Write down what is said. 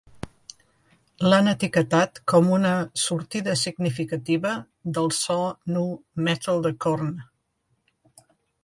L'han etiquetat com una "sortida significativa" del so nu metal de Korn.